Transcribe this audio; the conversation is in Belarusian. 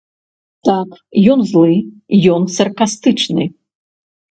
Так, ён злы, ён саркастычны.